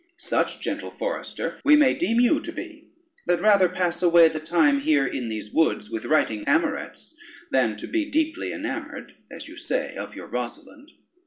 Such, gentle forester, we may deem you to be, that rather pass away the time here in these woods with writing amorets, than to be deeply enamored (as you say) of your Rosalynde.